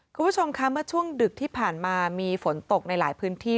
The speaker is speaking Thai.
คุณผู้ชมคะเมื่อช่วงดึกที่ผ่านมามีฝนตกในหลายพื้นที่